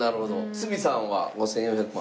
鷲見さんは５４００万。